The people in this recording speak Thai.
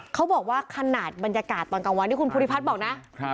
เขาบอกว่าขนาดบรรยากาศตอนกลางวันที่คุณภูริพัฒน์บอกนะ